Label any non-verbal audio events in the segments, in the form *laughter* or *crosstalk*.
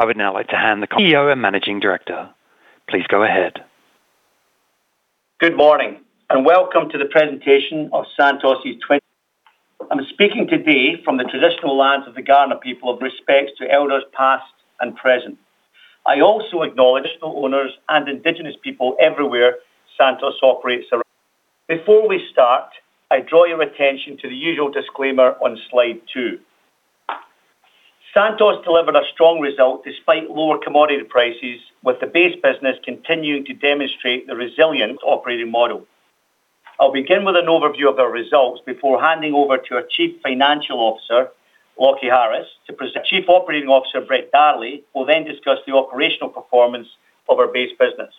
I would now like to hand the CEO and Managing Director. Please go ahead. Good morning, and welcome to the presentation of Santos *inaudible* 2024. I'm speaking today from the traditional lands of the Kaurna people. Pay respects to elders, past and present. I also acknowledge the owners and indigenous people everywhere Santos operates around. Before we start, I draw your attention to the usual disclaimer on Slide two. Santos delivered a strong result despite lower commodity prices, with the base business continuing to demonstrate the resilience operating model. I'll begin with an overview of our results before handing over to our Chief Financial Officer, Lachlan Harris, to present. Chief Operating Officer, Brett Darley, will then discuss the operational performance of our base business.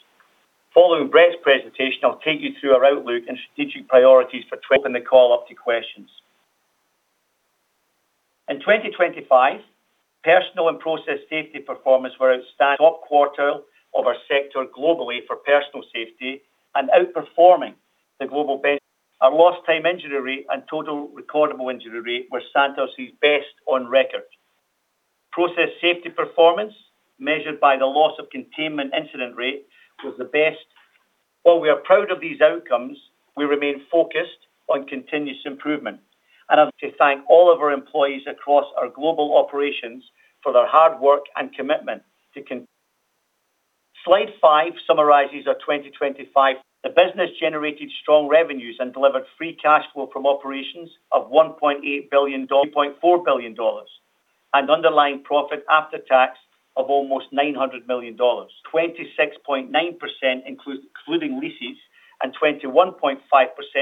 Following Brett's presentation, I'll take you through our outlook and strategic priorities for 2024, open the call up to questions. In 2025, personal and process safety performance were outstanding. Top quartile of our sector globally for personal safety and outperforming the global benchmark. Our lost time injury rate and total recordable injury rate were Santos best on record. Process safety performance, measured by the loss of containment incident rate, was the best. While we are proud of these outcomes, we remain focused on continuous improvement, and I'd like to thank all of our employees across our global operations for their hard work and commitment to continuous improvement. Slide five summarizes our 2025. The business generated strong revenues and delivered free cash flow from operations of $1.8 billion-$2.4 billion, and underlying profit after tax of almost $900 million. 26.9% includes, including leases and 21.5%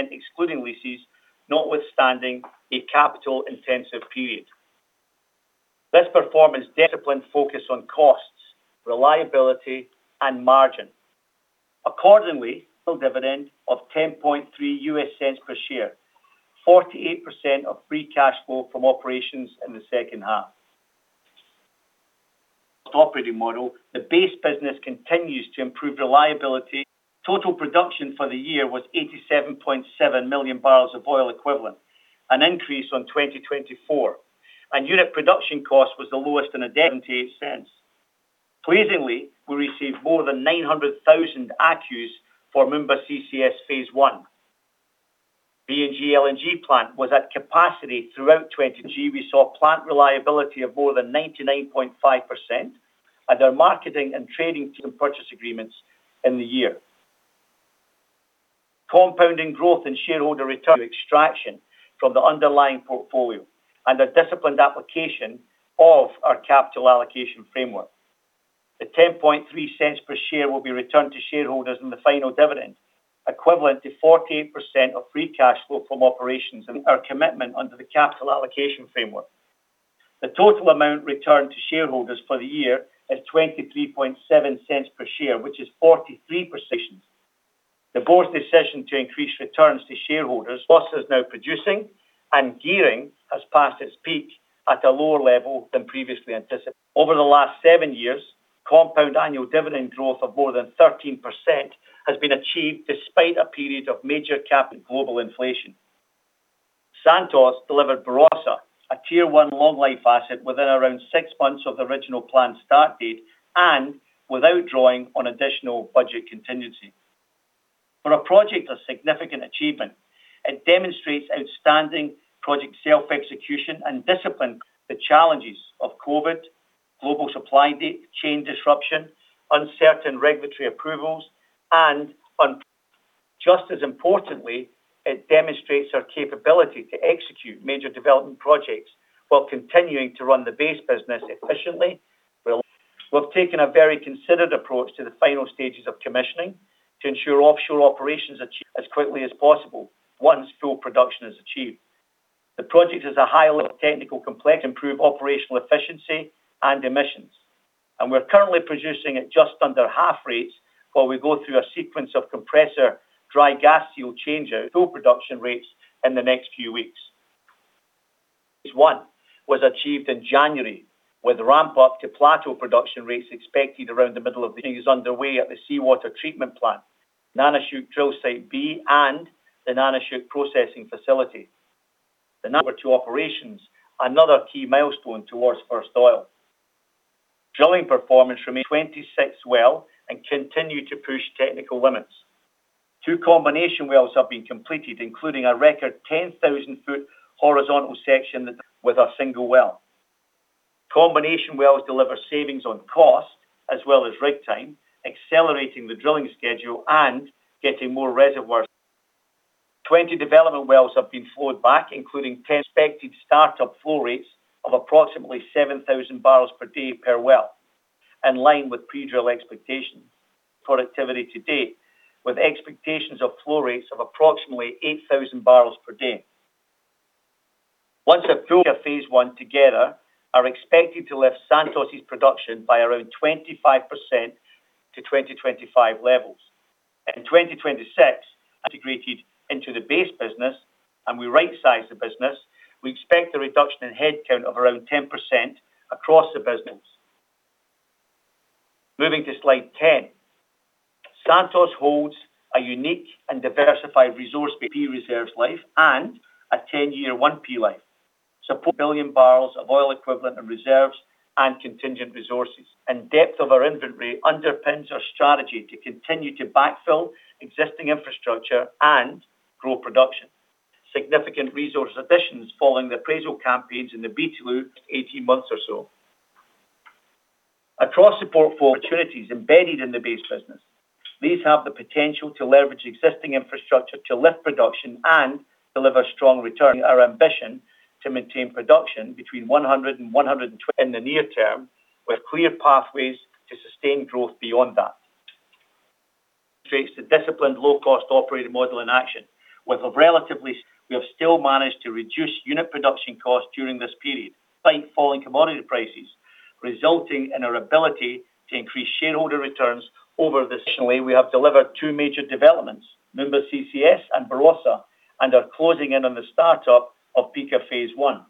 excluding leases, notwithstanding a capital-intensive period. This performance discipline focus on costs, reliability, and margin. Accordingly, the dividend of $0.103 per share, 48% of free cash flow from operations in the second half. Our operating model, the base business continues to improve reliability. Total production for the year was 87.7 million barrels of oil equivalent, an increase on 2024, and unit production cost was the lowest in a decade, $0.78. Pleasingly, we received more than 900,000 ACCUs for Moomba CCS phase I. PNG LNG plant was at capacity throughout 2022. We saw plant reliability of more than 99.5% and our marketing and trading team purchase agreements in the year. Compounding growth in shareholder return extraction from the underlying portfolio and a disciplined application of our capital allocation framework. The $0.103 per share will be returned to shareholders in the final dividend, equivalent to 48% of free cash flow from operations and our commitment under the capital allocation framework. The total amount returned to shareholders for the year is $0.237 per share, which is 43%. The board's decision to increase returns to shareholders, plus is now producing and gearing has passed its peak at a lower level than previously anticipated. Over the last seven years, compound annual dividend growth of more than 13% has been achieved despite a period of major capital global inflation. Santos delivered Barossa, a Tier 1 long-life asset, within around six months of the original plan start date and without drawing on additional budget contingency. For a project, a significant achievement, it demonstrates outstanding project self-execution and discipline, the challenges of COVID, global supply chain disruption, uncertain regulatory approvals, and un... Just as importantly, it demonstrates our capability to execute major development projects while continuing to run the base business efficiently. We've taken a very considered approach to the final stages of commissioning to ensure offshore operations achieve as quickly as possible once full production is achieved. The project is a high level of technical complexity, improve operational efficiency and emissions, and we're currently producing at just under half rates while we go through a sequence of compressor dry gas seal change out full production rates in the next few weeks. Phase I was achieved in January, with ramp up to plateau production rates expected around the middle of the year. Is underway at the Seawater Treatment Plant, Nanushuk Drill Site B, and the Nanushuk Processing Facility. The number two operations, another key milestone towards first oil. Drilling performance remained 26 well and continue to push technical limits. Two combination wells have been completed, including a record 10,000-foot horizontal section with a single well. Combination wells deliver savings on cost as well as rig time, accelerating the drilling schedule and getting more reservoirs. 20 development wells have been flowed back, including prospective start-up flow rates of approximately 7,000 barrels per day per well, in line with pre-drill expectations. Productivity to date, with expectations of flow rates of approximately 8,000 barrels per day. Once a phase I together, are expected to lift Santos production by around 25% to 2025 levels. In 2026, integrated into the base business and we rightsize the business, we expect a reduction in headcount of around 10% across the business. Moving to slide 10. Santos holds a unique and diversified 1P reserves life and a 10-year 1P life, supports 1 billion barrels of oil equivalent in reserves and contingent resources. Depth of our inventory underpins our strategy to continue to backfill existing infrastructure and grow production. Significant resource additions following the appraisal campaigns in the Beetaloo 18 months or so. Across support for opportunities embedded in the base business, these have the potential to leverage existing infrastructure to lift production and deliver strong returns. Our ambition to maintain production between 100 and 120 in the near term, with clear pathways to sustain growth beyond that. Shows the disciplined, low-cost operating model in action. With a relatively, we have still managed to reduce unit production cost during this period, despite falling commodity prices, resulting in our ability to increase shareholder returns over this. Additionally, we have delivered two major developments, Moomba CCS and Barossa, and are closing in on the startup of Pikka phase I.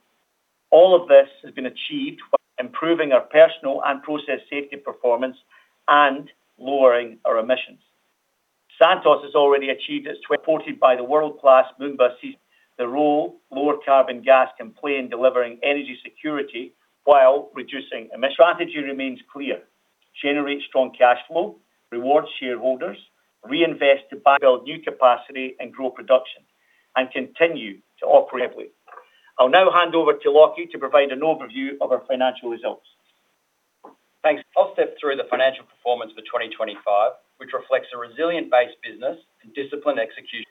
All of this has been achieved while improving our personnel and process safety performance and lowering our emissions. Santos has already achieved its. Supported by the world-class Moomba CCS, the role lower carbon gas can play in delivering energy security while reducing emissions. Strategy remains clear: generate strong cash flow, reward shareholders, reinvest to build new capacity and grow production, and continue to operate safely. I'll now hand over to Lachlan to provide an overview of our financial results. Thanks. I'll step through the financial performance for 2025, which reflects a resilient base business and disciplined execution.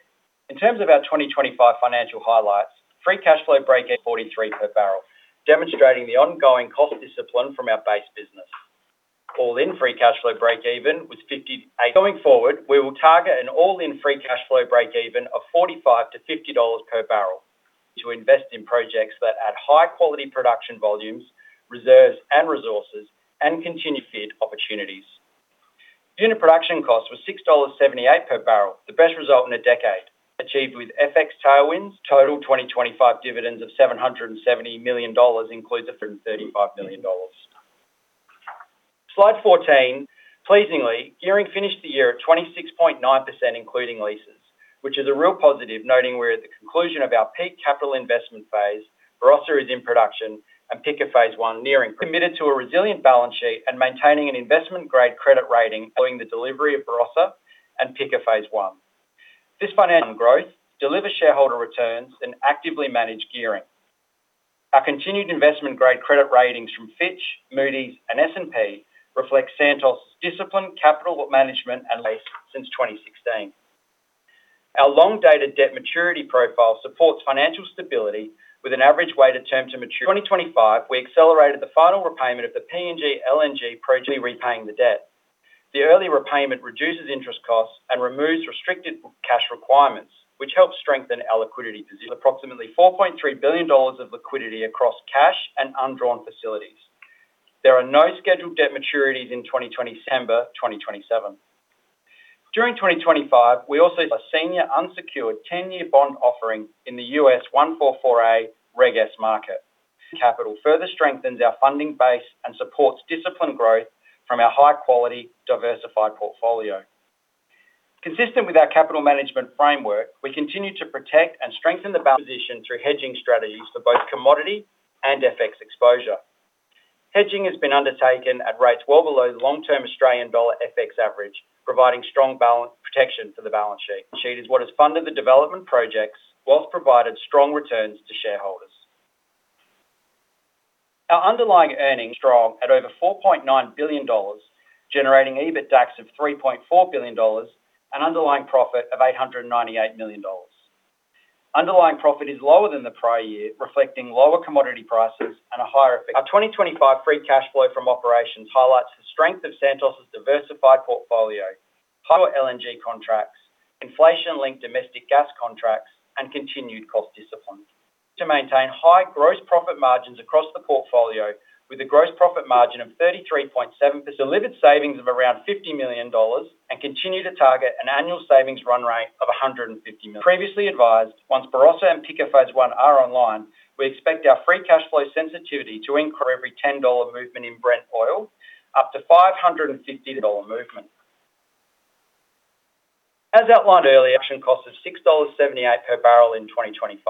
In terms of our 2025 financial highlights, free cash flow breakeven $43 per barrel, demonstrating the ongoing cost discipline from our base business. All-in free cash flow breakeven was $58. Going forward, we will target an all-in free cash flow breakeven of $45-$50 per barrel to invest in projects that add high-quality production volumes, reserves and resources, and continued feed opportunities. Unit production cost was $6.78 per barrel, the best result in a decade, achieved with FX tailwinds. Total 2025 dividends of $770 million includes a $35 million dollars. Slide 14, pleasingly, gearing finished the year at 26.9%, including leases, which is a real positive, noting we're at the conclusion of our peak capital investment phase, Barossa is in production and Pikka phase I nearing. Committed to a resilient balance sheet and maintaining an investment-grade credit rating, following the delivery of Barossa and Pikka phase I. This financial growth delivers shareholder returns and actively manage gearing. Our continued investment-grade credit ratings from Fitch, Moody's, and S&P reflect Santos discipline, capital management, and since 2016. Our long dated debt maturity profile supports financial stability with an average weighted term to maturity- 2025, we accelerated the final repayment of the PNG LNG project, repaying the debt. The early repayment reduces interest costs and removes restricted cash requirements, which helps strengthen our liquidity position. Approximately $4.3 billion of liquidity across cash and undrawn facilities. There are no scheduled debt maturities in 2020, December 2027. During 2025, we also see a senior unsecured 10-year bond offering in the U.S. 144A/Reg S market. Capital further strengthens our funding base and supports disciplined growth from our high-quality, diversified portfolio. Consistent with our capital management framework, we continue to protect and strengthen the balance position through hedging strategies for both commodity and FX exposure. Hedging has been undertaken at rates well below the long-term Australian dollar FX average, providing strong balance protection for the balance sheet. Sheet is what has funded the development projects while provided strong returns to shareholders. Our underlying earnings strong at over $4.9 billion, generating EBITDA of $3.4 billion, an underlying profit of $898 million. Underlying profit is lower than the prior year, reflecting lower commodity prices and a higher effect. Our 2025 free cash flow from operations highlights the strength of Santos diversified portfolio, higher LNG contracts, inflation-linked domestic gas contracts, and continued cost discipline. To maintain high gross profit margins across the portfolio with a gross profit margin of 33.7%, delivered savings of around $50 million and continue to target an annual savings run rate of $150 million. Previously advised, once Barossa and Pikka phase I are online, we expect our free cash flow sensitivity to increase every $10 movement in Brent Oil, up to $550 movement. As outlined earlier, unit cost of $6.78 per barrel in 2025,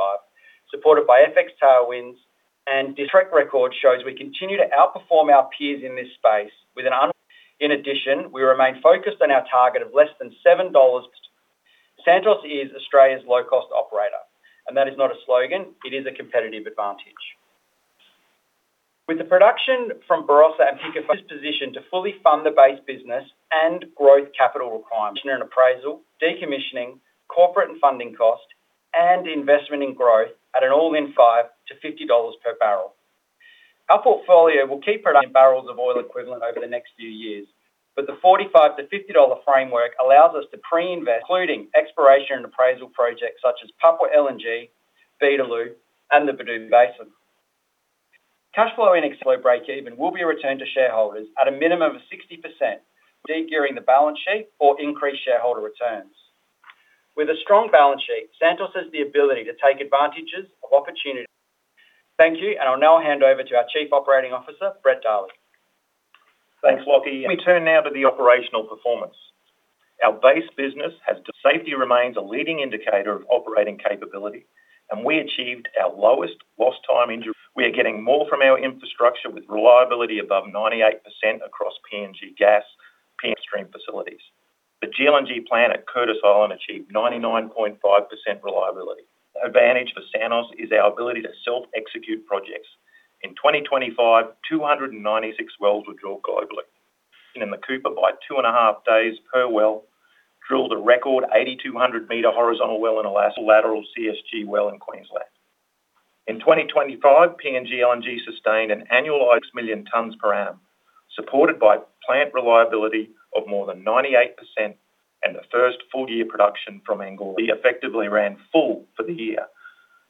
supported by FX tailwinds and... Track record shows we continue to outperform our peers in this space with an un- In addition, we remain focused on our target of less than $7. Santos is Australia's low-cost operator, and that is not a slogan, it is a competitive advantage. With the production from Barossa and Pikka, is positioned to fully fund the base business and growth capital requirements. And appraisal, decommissioning, corporate and funding cost, and investment in growth at an all-in $5-$50 per barrel. Our portfolio will keep production in barrels of oil equivalent over the next few years, but the $45-$50 framework allows us to pre-invest, including exploration and appraisal projects such as Papua LNG, Beetaloo, and the Bedout Basin. Cash flow in breakeven will be returned to shareholders at a minimum of 60%, de-gearing the balance sheet or increase shareholder returns.... With a strong balance sheet, Santos has the ability to take advantages of opportunity. Thank you, and I'll now hand over to our Chief Operating Officer, Brett Darley. Thanks, Lachlan. Let me turn now to the operational performance. Our base business. Safety remains a leading indicator of operating capability, and we achieved our lowest lost time injury. We are getting more from our infrastructure, with reliability above 98% across PNG gas, PNG stream facilities. The GLNG plant at Curtis Island achieved 99.5% reliability. Advantage for Santos is our ability to self-execute projects. In 2025, 296 wells were drilled globally. In the Cooper, by two and a half days per well, drilled a record 8,200 m horizontal well in Alaska, lateral CSG well in Queensland. In 2025, PNG LNG sustained an annualized 1 million tons per annum, supported by plant reliability of more than 98% and the first full year production from Angore. We effectively ran full for the year,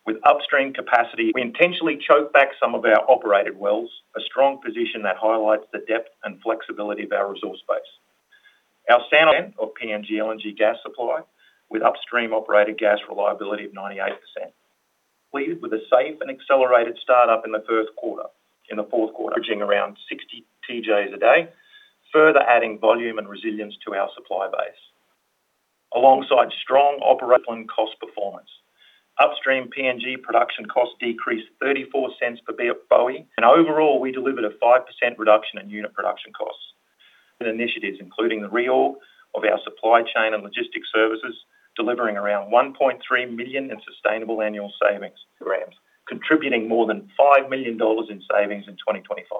with upstream capacity. We intentionally choked back some of our operated wells, a strong position that highlights the depth and flexibility of our resource base. Our PNG LNG gas supply, with upstream operated gas reliability of 98%. Pleased with a safe and accelerated start-up in the first quarter. In the fourth quarter, averaging around 60 TJs a day, further adding volume and resilience to our supply base. Alongside strong operating cost performance. Upstream PNG production cost decreased $0.34 per BOE, and overall, we delivered a 5% reduction in unit production costs. Initiatives, including the reorg of our supply chain and logistics services, delivering around $1.3 million in sustainable annual savings grams, contributing more than $5 million in savings in 2025.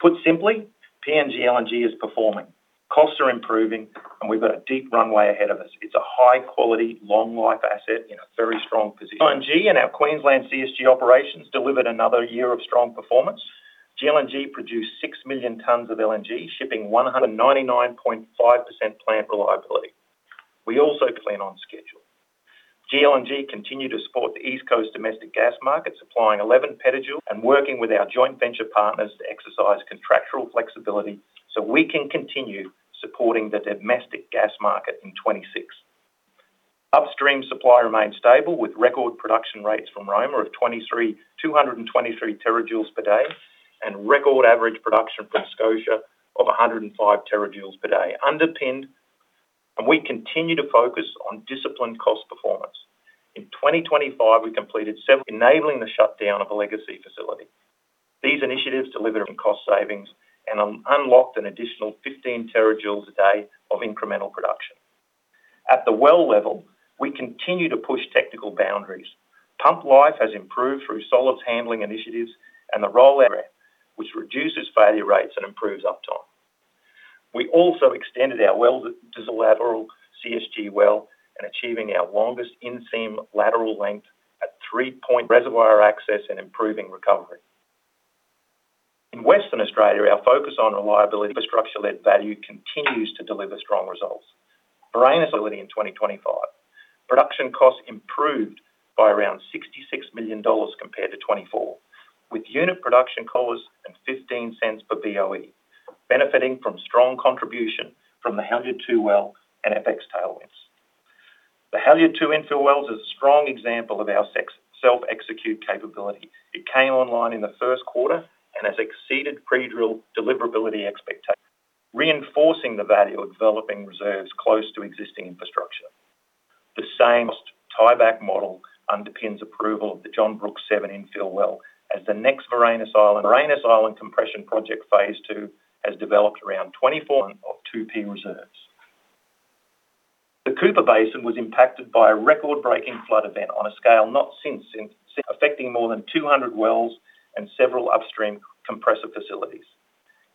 Put simply, PNG LNG is performing. Costs are improving, and we've got a deep runway ahead of us. It's a high-quality, long-life asset in a very strong position. LNG and our Queensland CSG operations delivered another year of strong performance. GLNG produced 6 million tonnes of LNG, shipping 199.5% plant reliability. We also plan on schedule. GLNG continued to support the East Coast domestic gas market, supplying 11 PJ and working with our joint venture partners to exercise contractual flexibility so we can continue supporting the domestic gas market in 2026. Upstream supply remains stable, with record production rates from Roma of 23,223 TJ/day and record average production from Scotia of 105 TJ/day, underpinned, and we continue to focus on disciplined cost performance. In 2025, we completed several... enabling the shutdown of a legacy facility. These initiatives delivered cost savings and unlocked an additional 15 TJ a day of incremental production. At the well level, we continue to push technical boundaries. Pump life has improved through solids handling initiatives and the rollout, which reduces failure rates and improves uptime. We also extended our well to the lateral CSG well and achieving our longest in-seam lateral length at 3-point reservoir access and improving recovery. In Western Australia, our focus on reliability, infrastructure-led value continues to deliver strong results. Barossa facility in 2025. Production costs improved by around $66 million compared to 2024, with unit production costs at $0.15 per BOE, benefiting from strong contribution from the Halyard 2 well and FX tailwinds. The Halyard 2 infill well is a strong example of our successful self-execute capability. It came online in the first quarter and has exceeded pre-drill deliverability expectations, reinforcing the value of developing reserves close to existing infrastructure. The same tieback model underpins approval of the John Brookes 7 infill well as the next Varanus Island. Varanus Island Compression Project phase II has developed around 24 of 2P reserves. The Cooper Basin was impacted by a record-breaking flood event on a scale not seen since, affecting more than 200 wells and several upstream compressor facilities.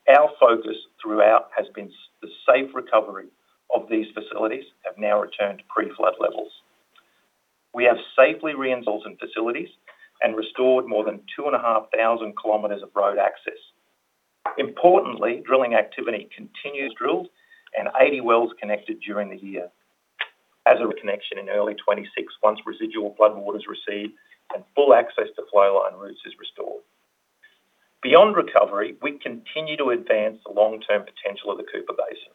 Our focus throughout has been the safe recovery of these facilities. They have now returned to pre-flood levels. We have safely reinstalled facilities and restored more than 2,500 km of road access. Importantly, drilling activity continues. We drilled and 80 wells connected during the year. As a connection in early 2026, once residual flood waters recede and full access to flow line routes is restored. Beyond recovery, we continue to advance the long-term potential of the Cooper Basin.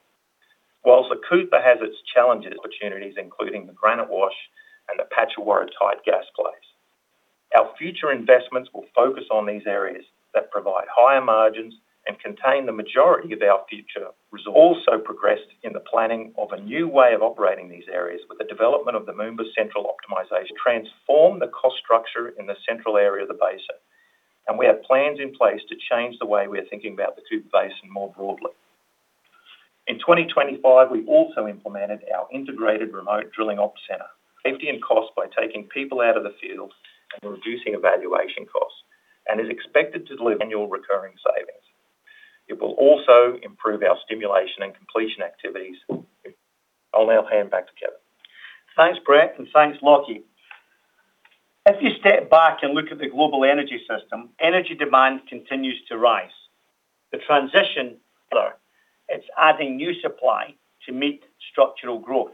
While the Cooper has its challenges, opportunities, including the Granite Wash and the Patchawarra Tight Gas Plays. Our future investments will focus on these areas that provide higher margins and contain the majority of our future resources. Also progressed in the planning of a new way of operating these areas, with the development of the Moomba Central Optimization, transform the cost structure in the central area of the basin, and we have plans in place to change the way we are thinking about the Cooper Basin more broadly. In 2025, we also implemented our integrated remote drilling ops center, safety and cost by taking people out of the field and reducing evaluation costs, and is expected to deliver annual recurring savings. It will also improve our stimulation and completion activities. I'll now hand back to Kevin. Thanks, Brett, and thanks, Lachlan. If you step back and look at the global energy system, energy demand continues to rise. The transition, however, it's adding new supply to meet structural growth.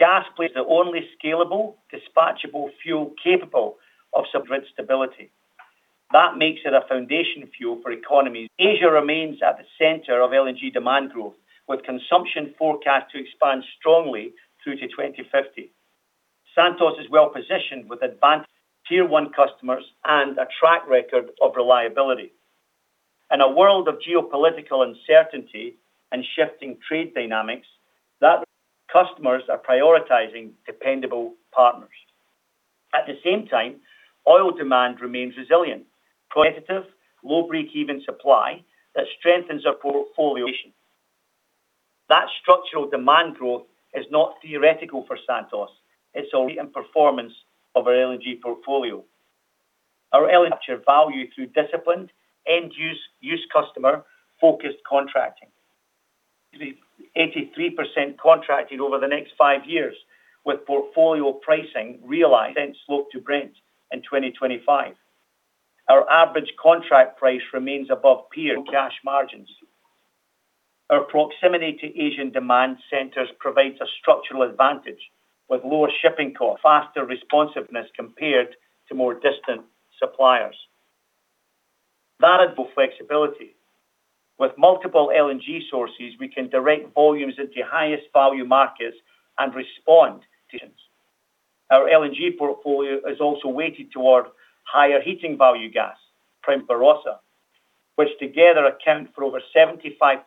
Gas is the only scalable, dispatchable fuel capable of supporting stability. That makes it a foundation fuel for economies. Asia remains at the center of LNG demand growth, with consumption forecast to expand strongly through to 2050. Santos is well-positioned with advanced Tier 1 customers and a track record of reliability. In a world of geopolitical uncertainty and shifting trade dynamics, that customers are prioritizing dependable partners. At the same time, oil demand remains resilient, competitive, low break-even supply that strengthens our portfolio. That structural demand growth is not theoretical for Santos, it's a recent performance of our LNG portfolio. Our LNG capture value through disciplined end-use, use customer-focused contracting. 83% contracted over the next five years, with portfolio pricing realized since slope to Brent in 2025. Our average contract price remains above peer cash margins. Our proximity to Asian demand centers provides a structural advantage, with lower shipping costs, faster responsiveness compared to more distant suppliers. That is flexibility. With multiple LNG sources, we can direct volumes into highest value markets and respond to demands. Our LNG portfolio is also weighted toward higher heating value gas, premium Barossa, which together account for over 75%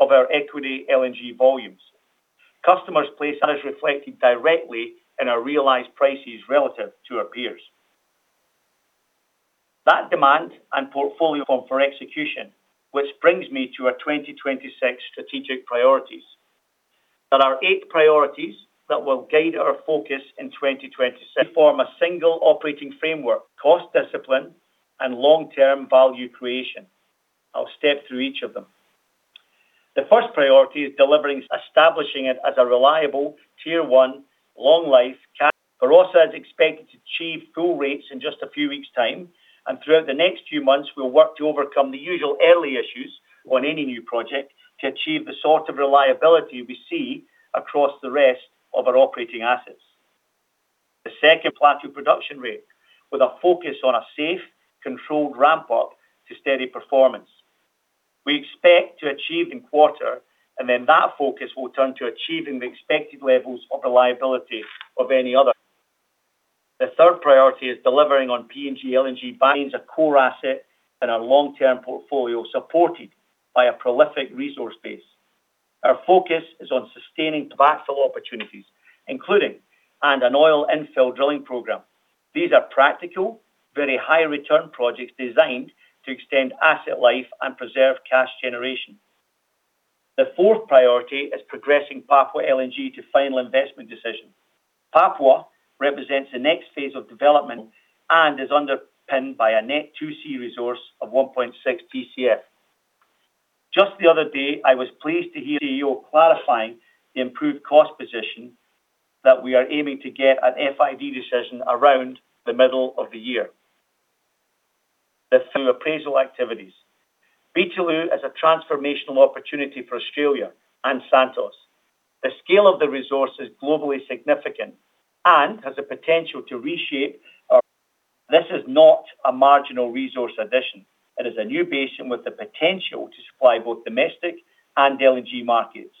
of our equity LNG volumes. Customers place that is reflected directly in our realized prices relative to our peers. That demand and portfolio form for execution, which brings me to our 2026 strategic priorities. There are eight priorities that will guide our focus in 2026, form a single operating framework, cost discipline, and long-term value creation. I'll step through each of them. The first priority is delivering, establishing it as a reliable, Tier 1, long-life capacity. Barossa is expected to achieve full rates in just a few weeks' time, and throughout the next few months, we'll work to overcome the usual early issues on any new project to achieve the sort of reliability we see across the rest of our operating assets. The second plateau production rate, with a focus on a safe, controlled ramp-up to steady performance. We expect to achieve in quarter, and then that focus will turn to achieving the expected levels of reliability of any other. The third priority is delivering on PNG LNG, buying a core asset in our long-term portfolio, supported by a prolific resource base. Our focus is on sustaining practical opportunities, including an oil infill drilling program. These are practical, very high return projects designed to extend asset life and preserve cash generation. The fourth priority is progressing Papua LNG to final investment decision. Papua represents the next phase of development and is underpinned by a net 2C resource of 1.6 TCF. Just the other day, I was pleased to hear the CEO clarifying the improved cost position that we are aiming to get an FID decision around the middle of the year. The two appraisal activities. Beetaloo is a transformational opportunity for Australia and Santos. The scale of the resource is globally significant and has the potential to reshape our... This is not a marginal resource addition. It is a new basin with the potential to supply both domestic and LNG markets,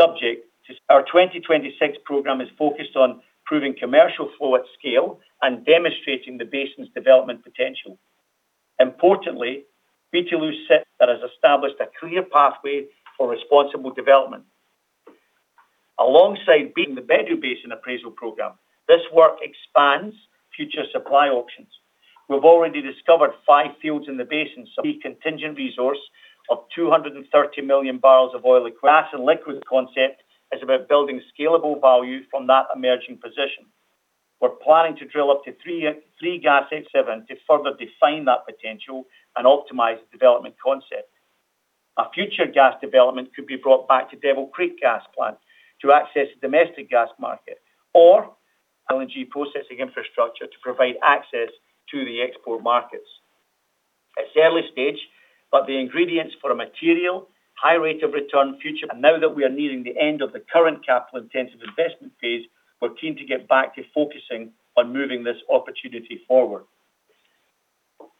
subject to- Our 2026 program is focused on improving commercial flow at scale and demonstrating the basin's development potential. Importantly, Beetaloo Basin that has established a clear pathway for responsible development. Alongside being the Bedout Basin appraisal program, this work expands future supply options. We've already discovered five fields in the basin, a contingent resource of 230 million barrels of oil equivalent. Gas and liquids concept is about building scalable value from that emerging position. We're planning to drill up to 3-3-GS-A to further define that potential and optimize the development concept. A future gas development could be brought back to Devil Creek gas plant to access the domestic gas market or LNG processing infrastructure to provide access to the export markets. It's early stage, but the ingredients for a material, high rate of return future, and now that we are nearing the end of the current capital-intensive investment phase, we're keen to get back to focusing on moving this opportunity forward.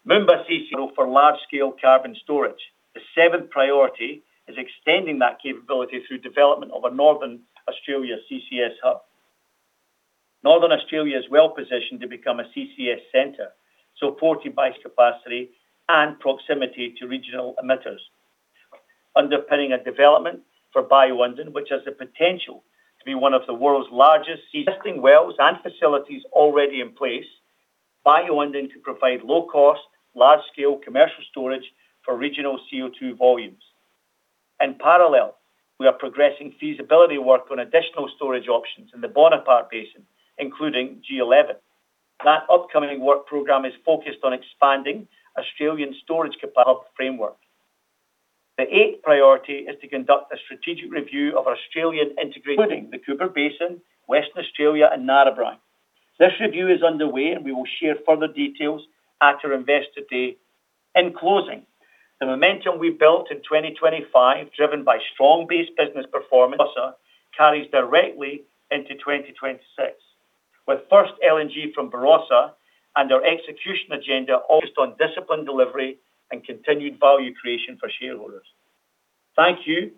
Moomba CCS for large-scale carbon storage. The seventh priority is extending that capability through development of a Northern Australia CCS hub. Northern Australia is well-positioned to become a CCS center, supported by capacity and proximity to regional emitters. Underpinning a development for Bayu-Undan, which has the potential to be one of the world's largest. Existing wells and facilities already in place, Bayu-Undan could provide low cost, large-scale commercial storage for regional CO2 volumes. In parallel, we are progressing feasibility work on additional storage options in the Bonaparte Basin, including G-11. That upcoming work program is focused on expanding Australian storage capacity hub framework. The eighth priority is to conduct a strategic review of Australian integrated, including the Cooper Basin, Western Australia, and Narrabri. This review is underway, and we will share further details at our Investor Day. In closing-... The momentum we built in 2025, driven by strong base business performance, carries directly into 2026, with first LNG from Barossa and our execution agenda focused on disciplined delivery and continued value creation for shareholders. Thank you.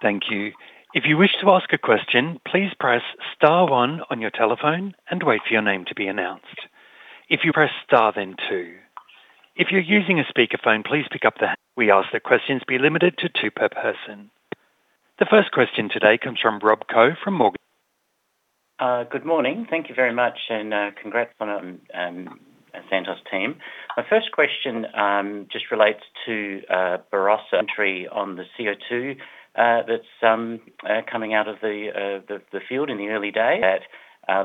Thank you. If you wish to ask a question, please press star one on your telephone and wait for your name to be announced. If you press star, then two. If you're using a speakerphone, please pick up the-- We ask that questions be limited to two per person. The first question today comes from Rob Koh from Morgan Stanley. Good morning. Thank you very much, and congrats on Santos team. My first question just relates to Barossa entry on the CO2 that's coming out of the field in the early days.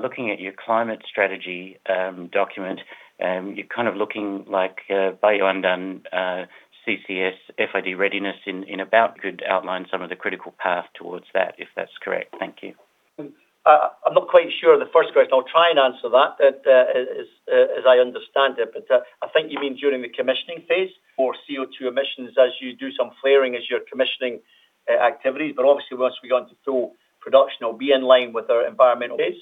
Looking at your climate strategy document, you're kind of looking like Bayu-Undan CCS FID readiness in about could outline some of the critical path towards that, if that's correct. Thank you. I'm not quite sure of the first question. I'll try and answer that, but as I understand it, I think you mean during the commissioning phase for CO2 emissions, as you do some flaring as you're commissioning activities, but obviously, once we get into full production, it'll be in line with our environmental base.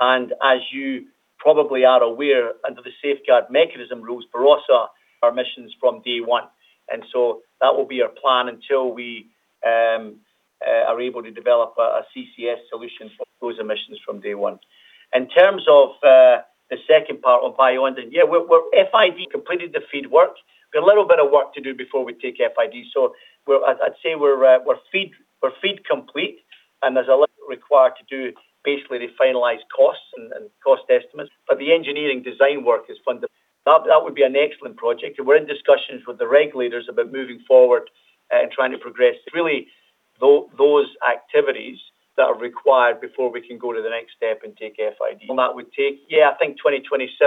As you probably are aware, under the Safeguard Mechanism rules, Barossa, our emissions from day one, and so that will be our plan until we are able to develop a CCS solution for those emissions from day one. In terms of the second part on Bayu-Undan, yeah, we're FID completed the FEED work. We have a little bit of work to do before we take FID. So we're, I'd say we're FEED complete, and there's a little required to do, basically, the finalized costs and cost estimates, but the engineering design work is fundamental. That would be an excellent project, and we're in discussions with the regulators about moving forward and trying to progress. Really, those activities that are required before we can go to the next step and take FID. Well, that would take, yeah, I think 2027,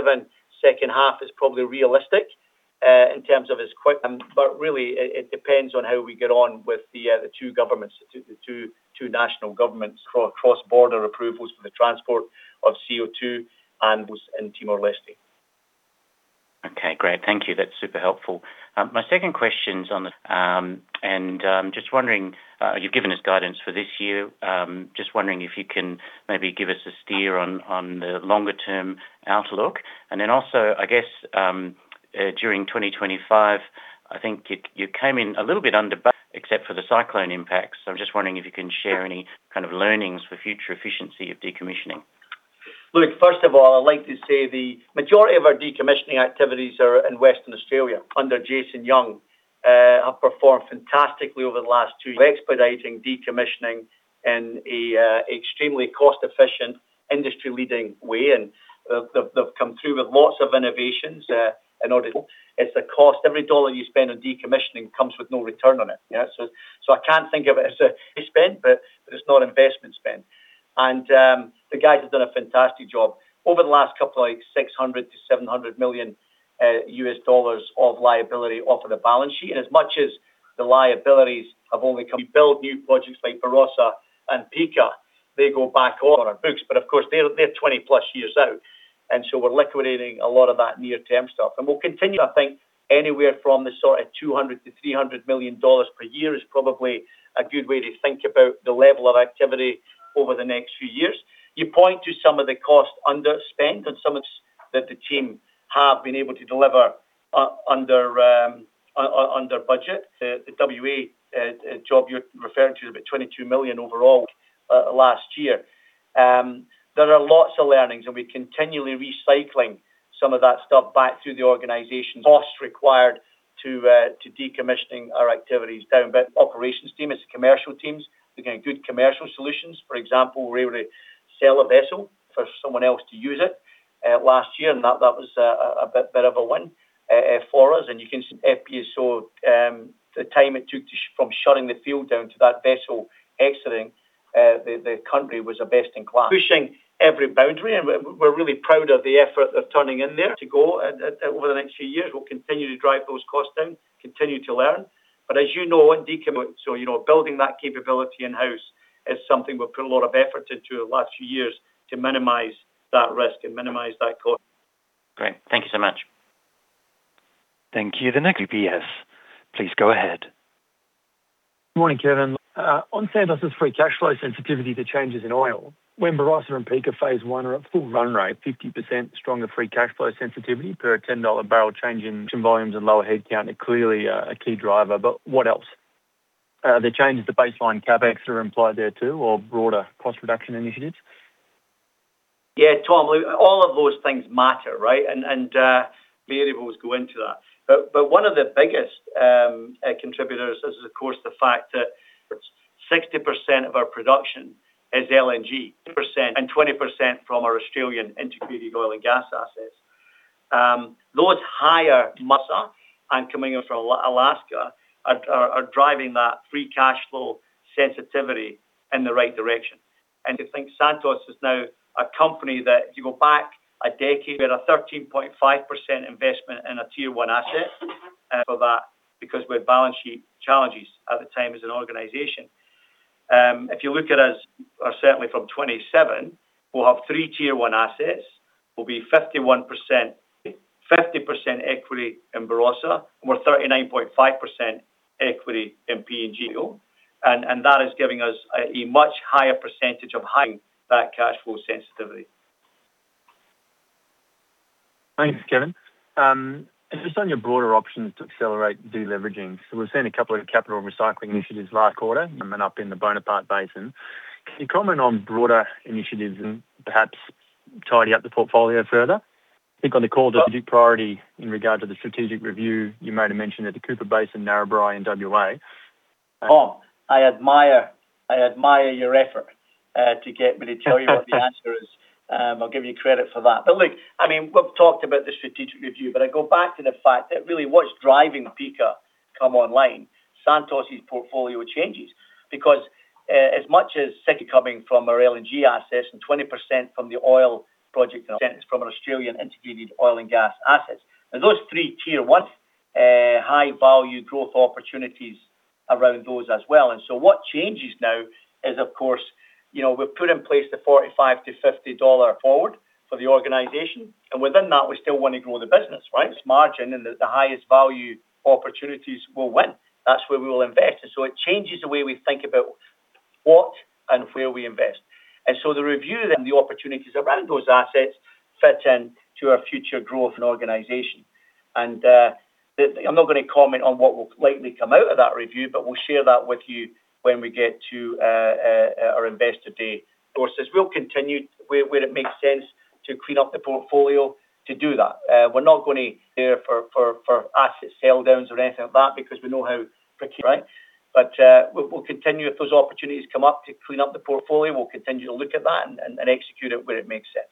second half is probably realistic, in terms of it's quick, but really it depends on how we get on with the two governments, the two national governments cross-border approvals for the transport of CO2 and with in Timor-Leste. Okay, great. Thank you. That's super helpful. My second question is, and I'm just wondering, you've given us guidance for this year. Just wondering if you can maybe give us a steer on the longer-term outlook. And then also, I guess, during 2025, I think you came in a little bit under budget except for the cyclone impacts. So I'm just wondering if you can share any kind of learnings for future efficiency of decommissioning. Look, first of all, I'd like to say the majority of our decommissioning activities are in Western Australia, under Jason Young, have performed fantastically over the last two years, expediting decommissioning in a extremely cost-efficient, industry-leading way, and they've come through with lots of innovations in order to. It's the cost. Every dollar you spend on decommissioning comes with no return on it. Yeah, so I can't think of it as a spend, but it's not investment spend. The guys have done a fantastic job. Over the last couple of, like, $600 million-$700 million of liability off of the balance sheet, and as much as the liabilities have only come, we build new projects like Barossa and Pikka, they go back on our books, but of course, they're, they're 20+ years out, and so we're liquidating a lot of that near-term stuff. And we'll continue, I think, anywhere from the sort of $200 million-$300 million per year is probably a good way to think about the level of activity over the next few years. You point to some of the cost underspend, and some of that the team have been able to deliver under budget. The WA job you're referring to is about $22 million overall last year. There are lots of learnings, and we're continually recycling some of that stuff back through the organization. Cost required to decommissioning our activities down, but operations team, it's the commercial teams, looking at good commercial solutions. For example, we're able to sell a vessel for someone else to use it last year, and that was a bit of a win for us. And you can see, if you saw, the time it took to from shutting the field down to that vessel exiting the country was a best-in-class. Pushing every boundary, and we're really proud of the effort they're turning in there to go, and over the next few years, we'll continue to drive those costs down, continue to learn. But as you know, in decomm, so, you know, building that capability in-house is something we've put a lot of effort into the last few years to minimize that risk and minimize that cost. Great. Thank you so much. Thank you. The next, *inaudible* PS, please go ahead. Good morning, Kevin. On Santos free cash flow sensitivity to changes in oil, when Barossa and Pikka phase I are at full run rate, 50% stronger free cash flow sensitivity per a $10/barrel change in volumes and lower headcount are clearly a key driver, but what else? The changes to baseline CapEx are implied there, too, or broader cost reduction initiatives? Yeah, Tom, all of those things matter, right? Variables go into that. But one of the biggest contributors is, of course, the fact that 60% of our production is LNG, and 20% from our Australian integrated oil and gas assets. Those higher margin crude coming in from Alaska are driving that free cash flow sensitivity in the right direction. And to think Santos is now a company that you go back a decade, we had a 13.5% investment in a Tier 1 asset for that, because we had balance sheet challenges at the time as an organization. If you look at us, or certainly from 2027, we'll have three Tier 1 assets. We'll be 51%, 50% equity in Barossa, and we're 39.5% equity in PNG. That is giving us a much higher percentage of high back cash flow sensitivity. Thanks, Kevin. Just on your broader options to accelerate de-leveraging. So we've seen a couple of capital recycling initiatives last quarter, and then up in the Bonaparte Basin. Can you comment on broader initiatives and perhaps tidy up the portfolio further? I think on the call, the big priority in regard to the strategic review, you made a mention at the Cooper Basin, Narrabri, and WA. Oh, I admire, I admire your effort, to get me to tell you what the answer is. I'll give you credit for that. But look, I mean, we've talked about the strategic review, but I go back to the fact that really what's driving Pikka come online, Santos portfolio changes. Because, as much as sixty coming from our LNG assets and 20% from the oil project, from an Australian integrated oil and gas assets. Now, those three Tier 1, high-value growth opportunities around those as well. And so what changes now is, of course, you know, we've put in place the $45-$50 forward for the organization, and within that, we still want to grow the business, right? Its margin and the, the highest value opportunities will win. That's where we will invest. And so it changes the way we think about what and where we invest. The review and the opportunities around those assets fit in to our future growth and organization. I'm not gonna comment on what will likely come out of that review, but we'll share that with you when we get to our Investor Day. Of course, we'll continue where it makes sense to clean up the portfolio to do that. We're not gonna for asset sell downs or anything like that because we know how tricky, right? But we'll continue if those opportunities come up to clean up the portfolio. We'll continue to look at that and execute it where it makes sense.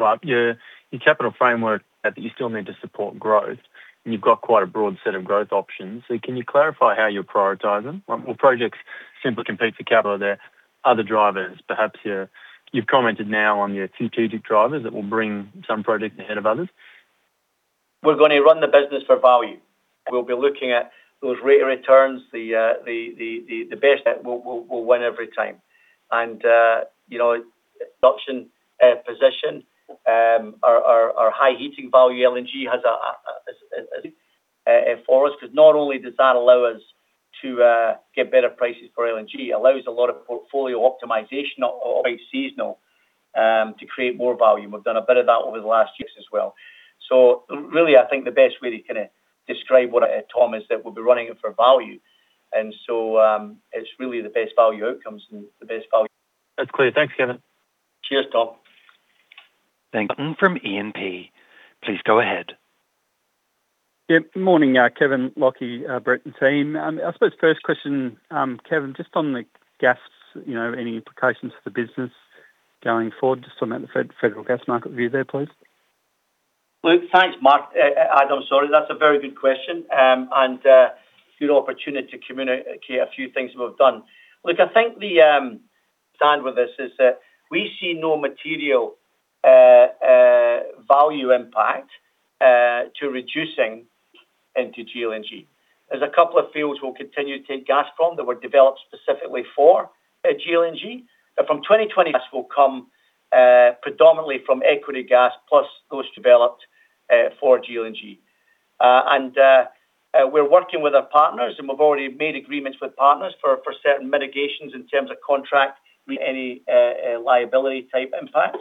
Right. Your capital framework that you still need to support growth, and you've got quite a broad set of growth options. So can you clarify how you prioritize them? Well, projects simply compete for capital. There are other drivers, perhaps you're, you've commented now on your strategic drivers that will bring some projects ahead of others. We're going to run the business for value. We'll be looking at those rate returns, the best will win every time. And you know, adoption position, our high heating value LNG has a for us, because not only does that allow us to get better prices for LNG, it allows a lot of portfolio optimization, or quite seasonal, to create more value. We've done a bit of that over the last years as well. So really, I think the best way to kinda describe what Tom is that we'll be running it for value. And so, it's really the best value outcomes and the best value. That's clear. Thanks, Kevin. Cheers, Tom. Thank you. From *inaudible* ENP. Please go ahead. Yep. Morning, Kevin, Lachlan, Brett, and team. I suppose first question, Kevin, just on the gas, you know, any implications for the business going forward, just on the federal gas market view there, please? Look, thanks, Mark. I'm sorry. That's a very good question, and good opportunity to communicate a few things we've done. Look, I think the plan with this is that we see no material value impact to reducing into GLNG. There's a couple of fields we'll continue to take gas from, that were developed specifically for GLNG. But from 2020, gas will come predominantly from equity gas, plus those developed for GLNG. And we're working with our partners, and we've already made agreements with partners for certain mitigations in terms of contract, we any liability type impact.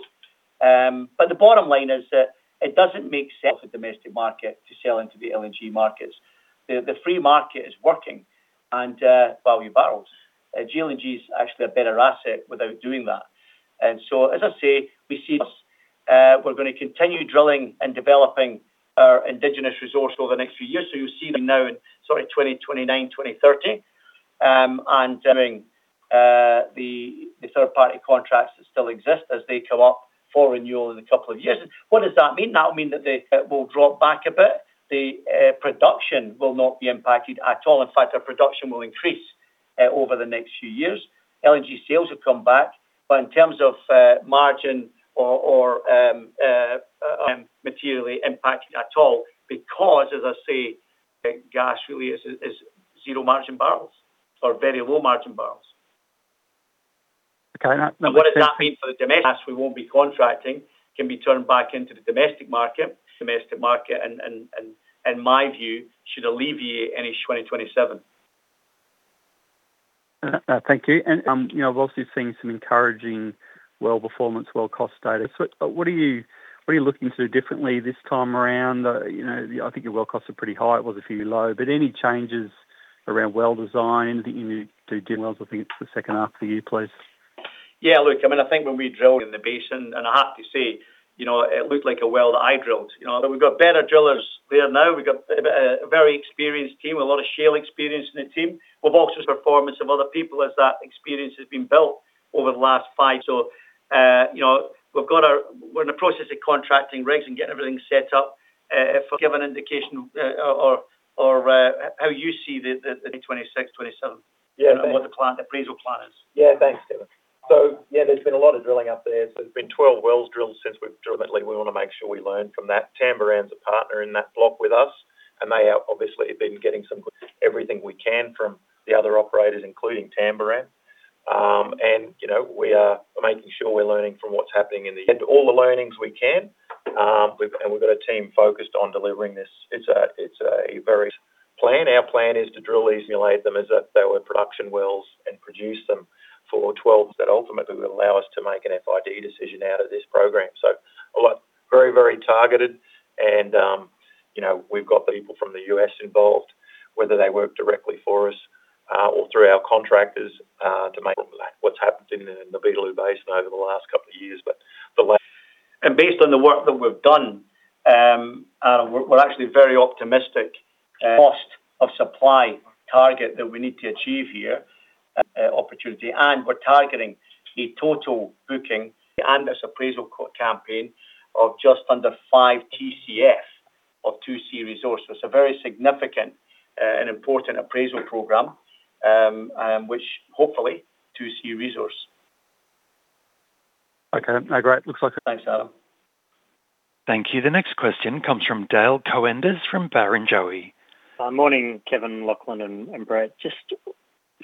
But the bottom line is that it doesn't make sense of domestic market to sell into the LNG markets. The free market is working and value barrels. GLNG is actually a better asset without doing that. And so, as I say, we see this, we're gonna continue drilling and developing our indigenous resource over the next few years. So you'll see them now in sort of 2029, 2030, and doing the third-party contracts that still exist as they come up for renewal in a couple of years. What does that mean? That will mean that they will drop back a bit. The production will not be impacted at all. In fact, our production will increase over the next few years. LNG sales will come back, but in terms of margin or materially impacted at all, because as I say, gas really is zero margin barrels or very low margin barrels. Okay. What does that mean for the domestic? Gas we won't be contracting can be turned back into the domestic market. Domestic market and my view should alleviate any 2027. Thank you. You know, I've also seen some encouraging well performance, well cost data. So what, what are you, what are you looking to differently this time around? You know, I think your well costs are pretty high. It was a few low, but any changes around well design that you need to do well, I think it's the second half of the year, please. Yeah, look, I mean, I think when we drill in the basin, and I have to say, you know, it looked like a well that I drilled. You know, that we've got better drillers there now. We got a very experienced team, a lot of shale experience in the team. We've also performance of other people as that experience has been built over the last five. So, you know, we've got. We're in the process of contracting rigs and getting everything set up for- Give an indication or how you see the 2026, 2027. Yeah. What the plan, the appraisal plan, is. Yeah, thanks, Kevin. So yeah, there's been a lot of drilling up there. So there's been 12 wells drilled since we've drilled, we wanna make sure we learn from that. Tamboran is a partner in that block with us.... and they have obviously been getting some good everything we can from the other operators, including Tamboran. And, you know, we are making sure we're learning from what's happening in the - And all the learnings we can. We've got a team focused on delivering this. It's a very plan. Our plan is to drill these, emulate them as if they were production wells, and produce them for 12 that ultimately will allow us to make an FID decision out of this program. So a lot, very, very targeted, and, you know, we've got people from the U.S. involved, whether they work directly for us or through our contractors, to make what's happened in the Beetaloo Basin over the last couple of years but the last- Based on the work that we've done, we're actually very optimistic. Cost of supply target that we need to achieve here, opportunity, and we're targeting a total booking and this appraisal campaign of just under five TCF of 2C resources. It's a very significant and important appraisal program, and which hopefully 2C resource. Okay. Great. Looks like- Thanks, Adam. Thank you. The next question comes from Dale Koenders, from Barrenjoey. Morning, Kevin, Lachlan, and, and Brett. Just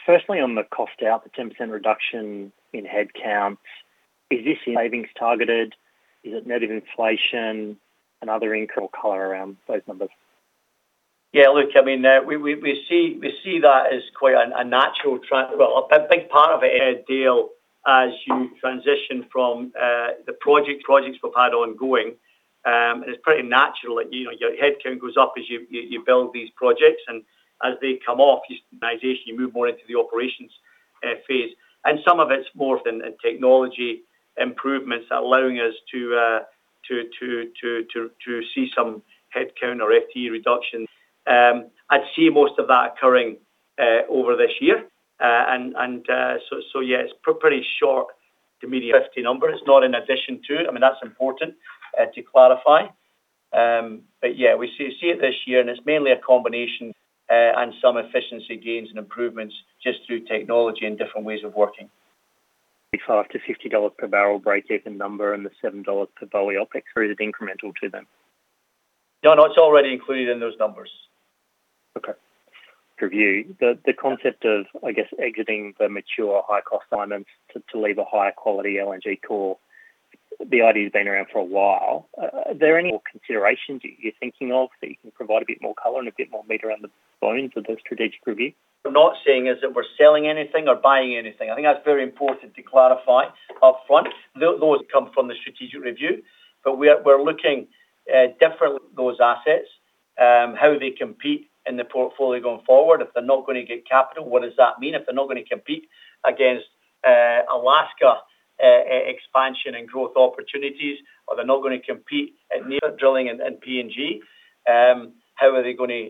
firstly, on the cost out, the 10% reduction in headcount, is this savings targeted? Is it net of inflation and other income color around those numbers? Yeah, look, I mean, we see that as quite a natural trend. Well, a big part of it, Dale, as you transition from the projects we've had ongoing, and it's pretty natural that, you know, your headcount goes up as you build these projects, and as they come off, your organization moves more into the operations phase. And some of it's more than technology improvements are allowing us to see some headcount or FTE reduction. I'd see most of that occurring over this year. And so yeah, it's pretty short to meet the 50 number. It's not in addition to it. I mean, that's important to clarify. But yeah, we see it this year, and it's mainly a combination and some efficiency gains and improvements just through technology and different ways of working.... $5-$50 per barrel breakeven number and the $7 per BOE OpEx, or is it incremental to them? No, no, it's already included in those numbers. Okay. Review. The concept of, I guess, exiting the mature high-cost diamonds to leave a higher quality LNG core, the idea has been around for a while. Are there any more considerations that you're thinking of, that you can provide a bit more color and a bit more meat on the bones of the strategic review? I'm not saying is that we're selling anything or buying anything. I think that's very important to clarify up front. Those come from the strategic review, but we are, we're looking differently at those assets, how they compete in the portfolio going forward. If they're not gonna get capital, what does that mean? If they're not gonna compete against Alaska expansion and growth opportunities, or they're not gonna compete at near drilling and PNG, how are they gonna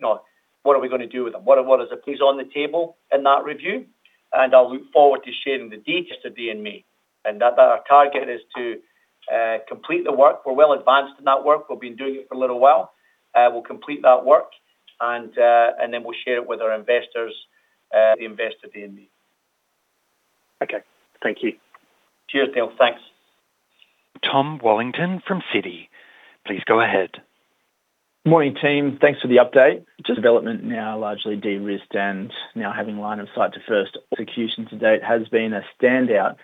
No, what are we gonna do with them? What is it, please, on the table in that review, and I'll look forward to sharing the details today in May. Our target is to complete the work. We're well advanced in that work. We've been doing it for a little while. We'll complete that work, and then we'll share it with our investors, the Investor DNA. Okay. Thank you. Cheers, Dale. Thanks. Tom Wallington from Citi. Please go ahead. Morning, team. Thanks for the update. Just development now, largely de-risked, and now having line of sight to first execution to date has been a standout.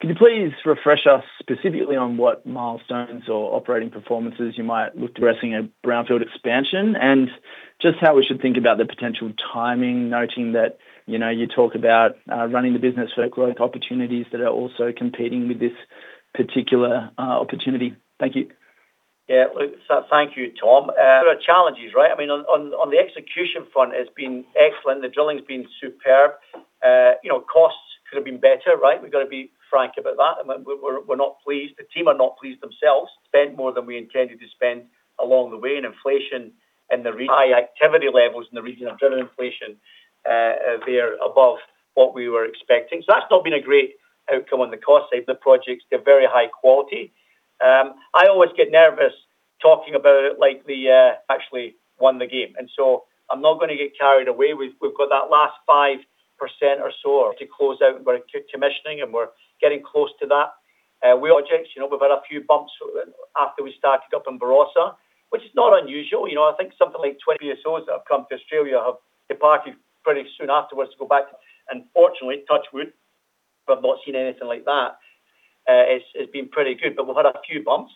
Can you please refresh us specifically on what milestones or operating performances you might look to addressing a brownfield expansion, and just how we should think about the potential timing, noting that, you know, you talk about, running the business for growth opportunities that are also competing with this particular, opportunity? Thank you. Yeah. So thank you, Tom. There are challenges, right? I mean, on the execution front, it's been excellent. The drilling's been superb. You know, costs could have been better, right? We've got to be frank about that, and we're not pleased. The team are not pleased themselves. Spent more than we intended to spend along the way, and inflation and the high activity levels in the region have driven inflation there above what we were expecting. So that's not been a great outcome on the cost side of the projects. They're very high quality. I always get nervous talking about it, like the actually won the game, and so I'm not gonna get carried away. We've got that last 5% or so to close out. We're commissioning, and we're getting close to that. You know, we've had a few bumps after we started up in Barossa, which is not unusual. You know, I think something like 20 years old that have come to Australia have departed pretty soon afterwards to go back. And fortunately, touch wood, we have not seen anything like that. It's been pretty good, but we've had a few bumps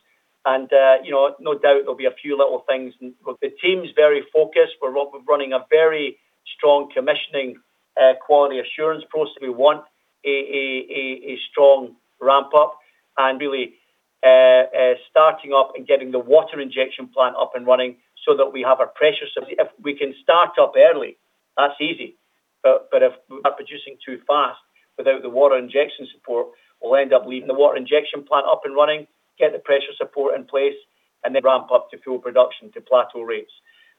and, you know, no doubt there'll be a few little things. But the team is very focused. We're running a very strong commissioning quality assurance process. We want a strong ramp up and really starting up and getting the water injection plant up and running so that we have our pressure. So if, if we can start up early, that's easy, but, but if we are producing too fast without the water injection support, we'll end up leaving the water injection plant up and running, get the pressure support in place, and then ramp up to full production to plateau rates.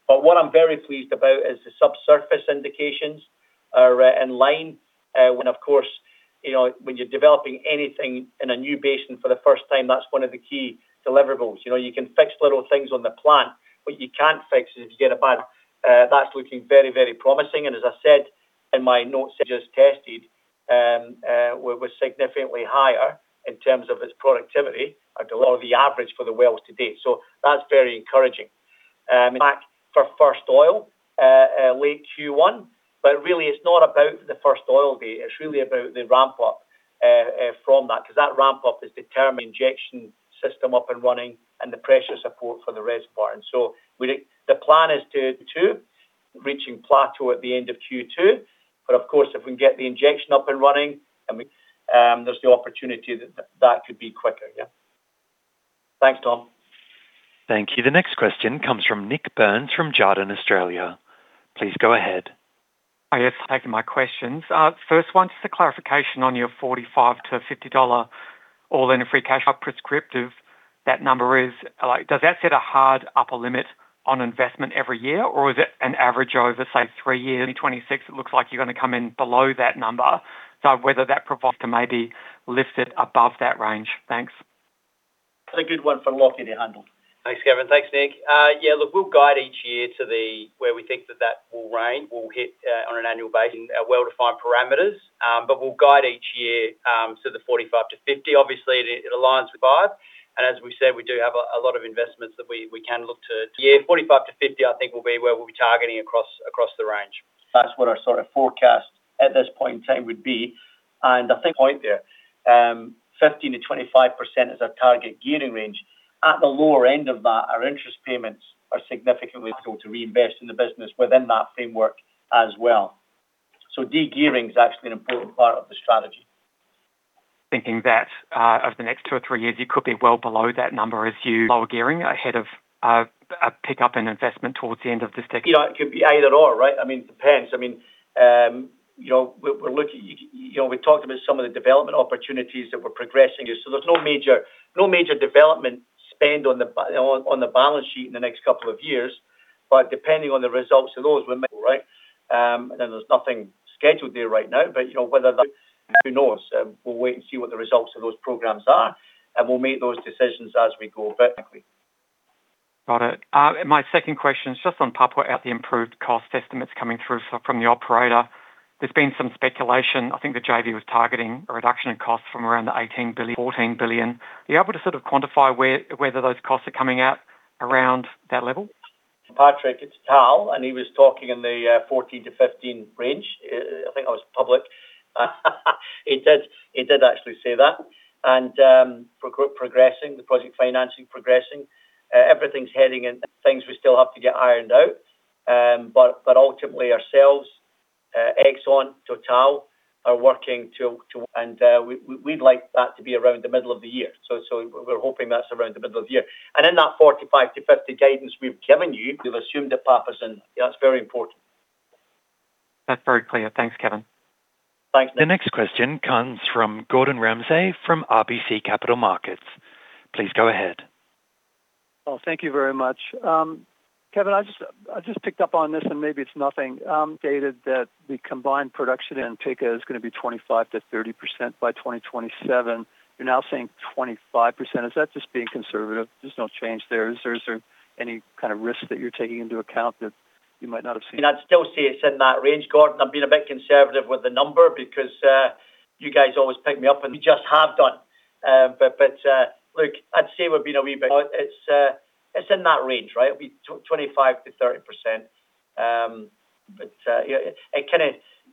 But what I'm very pleased about is the subsurface indications are in line, when, of course, you know, when you're developing anything in a new basin for the first time, that's one of the key deliverables. You know, you can fix little things on the plant, but you can't fix it if you get a bad-... That's looking very, very promising, and as I said in my notes, just tested was significantly higher in terms of its productivity or the average for the wells to date. So that's very encouraging. Back for first oil late Q1, but really it's not about the first oil date, it's really about the ramp up from that, 'cause that ramp up is determined injection system up and running and the pressure support for the reservoir. And so the plan is to reaching plateau at the end of Q2. But of course, if we can get the injection up and running, and we, there's the opportunity that that could be quicker. Yeah. Thanks, Tom. Thank you. The next question comes from Nik Burns, from Jarden Australia. Please go ahead. Yes, taking my questions. First one, just a clarification on your $45-$50 all-in free cash flow breakeven, that number is... Like, does that set a hard upper limit on investment every year, or is it an average over, say, three years? 2026, it looks like you're gonna come in below that number. So whether that breakeven may be lifted above that range. Thanks. That's a good one for Lachlan to handle. Thanks, Kevin. Thanks, Nick. Yeah, look, we'll guide each year to the, where we think that that will range. We'll hit on an annual basis in our well-defined parameters, but we'll guide each year, so the $45-$50. Obviously, it, it aligns with $5, and as we said, we do have a, a lot of investments that we, we can look to. Yeah, $45-$50, I think, will be where we'll be targeting across, across the range. That's what our sort of forecast at this point in time would be. I think point there, 15%-25% is our target gearing range. At the lower end of that, our interest payments are significantly able to reinvest in the business within that framework as well. So de-gearing is actually an important part of the strategy. Thinking that, over the next two or three years, you could be well below that number as you lower gearing ahead of a pickup in investment towards the end of this decade. You know, it could be either or, right? I mean, it depends. I mean, you know, we're looking, you know, we talked about some of the development opportunities that we're progressing. So there's no major development spend on the balance sheet in the next couple of years, but depending on the results of those, we may, right? And then there's nothing scheduled there right now, but, you know, whether the... Who knows? We'll wait and see what the results of those programs are, and we'll make those decisions as we go. But thank you. Got it. My second question is just on Papua about the improved cost estimates coming through from the operator. There's been some speculation. I think the JV was targeting a reduction in costs from around the $18 billion-$14 billion. Are you able to sort of quantify where, whether those costs are coming out around that level? Patrick, it's Al, and he was talking in the $14 billion-$15 billion range. I think it was public. He did actually say that. And progressing, the project financing progressing, everything's heading in. Things we still have to get ironed out, but ultimately ourselves, Exxon, Total are working to... And we we'd like that to be around the middle of the year. So we're hoping that's around the middle of the year. And in that $45-$50 guidance we've given you, we've assumed that Papua's on, that's very important. That's very clear. Thanks, Kevin. Thanks, Nick. The next question comes from Gordon Ramsay, from RBC Capital Markets. Please go ahead. Well, thank you very much. Kevin, I just picked up on this, and maybe it's nothing. Stated that the combined production in Pikka is gonna be 25%-30% by 2027. You're now saying 25%. Is that just being conservative? There's no change there. Is there any kind of risk that you're taking into account that you might not have seen? I'd still say it's in that range, Gordon. I'm being a bit conservative with the number because you guys always pick me up, and you just have done. But look, I'd say we've been a wee bit. It's in that range, right? It'll be 25%-30%. But yeah, it kinda...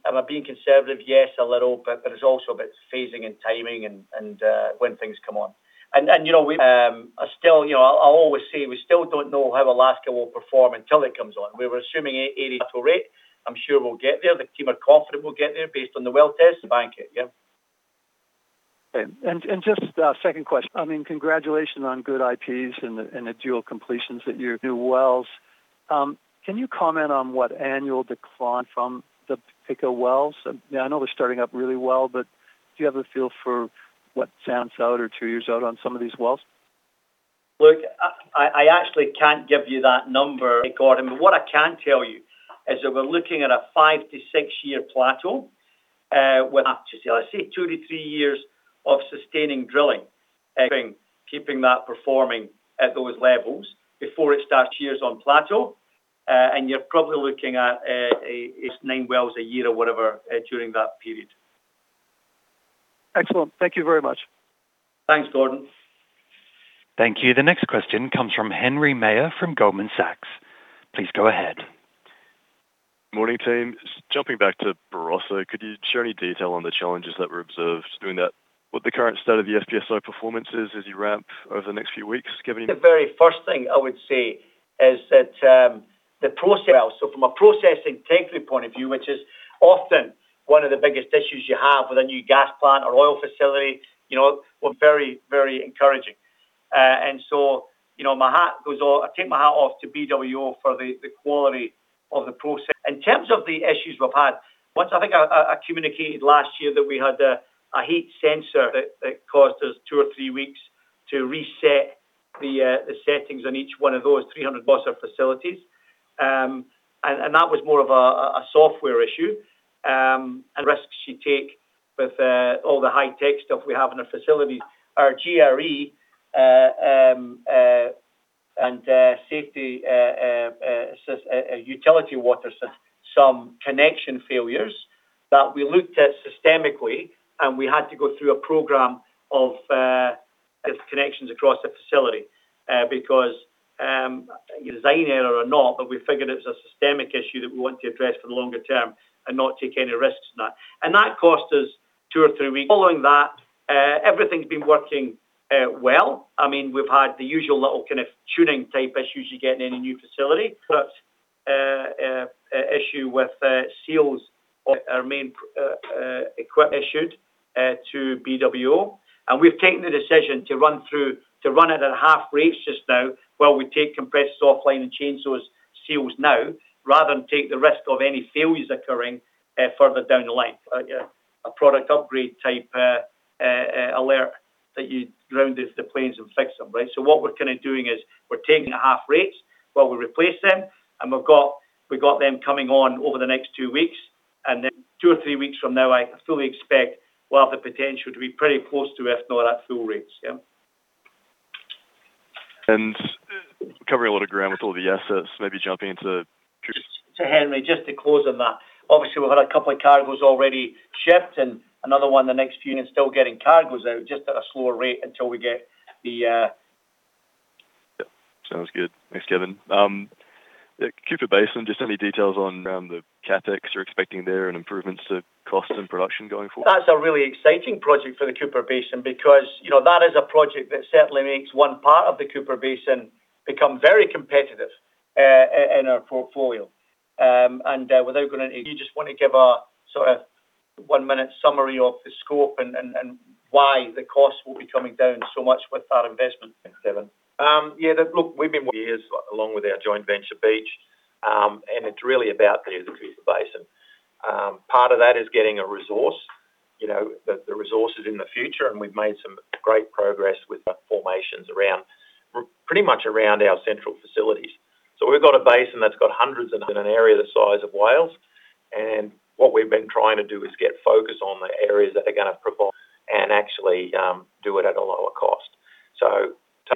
Am I being conservative? Yes, a little, but it's also about phasing and timing and when things come on. And you know, we are still, you know, I'll always say, we still don't know how Alaska will perform until it comes on. We were assuming 80,000 rate. I'm sure we'll get there. The team are confident we'll get there, based on the well test and bank it. Yeah. Okay. And just a second question. I mean, congratulations on good IPs and the dual completions that you... new wells. Can you comment on what annual decline from the Pikka wells? I know they're starting up really well, but do you have a feel for what sounds out or two years out on some of these wells? Look, I actually can't give you that number, Gordon. What I can tell you is that we're looking at a 5 to 6 year plateau, with up to, say, two to three years of sustaining drilling, keeping that performing at those levels before it starts years on plateau, and you're probably looking at a nine wells a year or whatever, during that period. Excellent. Thank you very much. Thanks, Gordon. Thank you. The next question comes from Henry Meyer, from Goldman Sachs. Please go ahead. Morning, team. Jumping back to Barossa, could you share any detail on the challenges that were observed doing that? What the current state of the FPSO performance is as you ramp over the next few weeks, giving- The very first thing I would say is that, the process. Well, so from a processing integrity point of view, which is often one of the biggest issues you have with a new gas plant or oil facility, you know, we're very, very encouraging. And so, you know, my hat goes off, I take my hat off to BW Offshore for the quality of the process. In terms of the issues we've had, once I think I communicated last year that we had a heat sensor that caused us two or three weeks to reset the settings on each one of those 300 Barossa facilities. And that was more of a software issue, and risks you take with all the high-tech stuff we have in our facilities. Our GRE and safety utility water system some connection failures that we looked at systemically, and we had to go through a program of these connections across the facility. Because design error or not, but we figured it was a systemic issue that we want to address for the longer term and not take any risks on that. And that cost us two or three weeks. Following that, everything's been working well. I mean, we've had the usual little kind of tuning type issues you get in any new facility, but a issue with seals of our main equipment issued to BWO. And we've taken the decision to run through, to run it at half rates just now, while we take compressors offline and change those seals now, rather than take the risk of any failures occurring further down the line. Yeah, a product upgrade type alert that you ground the planes and fix them, right? So what we're kinda doing is we're taking it half rates while we replace them, and we've got them coming on over the next two weeks, and then two or three weeks from now, I fully expect we'll have the potential to be pretty close to, if not at full rates. Yeah. Covering a lot of ground with all the assets, maybe jumping into- So Henry, just to close on that, obviously, we've had a couple of cargoes already shipped and another one in the next few, and still getting cargoes out, just at a slower rate until we get the... Yep. Sounds good. Thanks, Kevin. The Cooper Basin, just any details on the CapEx you're expecting there and improvements to costs and production going forward? That's a really exciting project for the Cooper Basin because, you know, that is a project that certainly makes one part of the Cooper Basin become very competitive in our portfolio. Without going into— Do you just want to give a sort of one-minute summary of the scope and why the costs will be coming down so much with that investment. Thanks, Kevin. Yeah, look, we've been working years along with our joint venture Beach, and it's really about the Cooper Basin. Part of that is getting a resource, you know, the resources in the future, and we've made some great progress with the formations around, pretty much around our central facilities. So we've got a basin that's got hundreds of them in an area the size of Wales, and what we've been trying to do is get focused on the areas that are gonna provide and actually do it at a lower cost. So